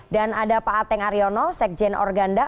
dan ada pak ateng aryono sekjen organda